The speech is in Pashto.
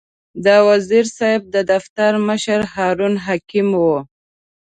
د وزیر صاحب د دفتر مشر هارون حکیمي و.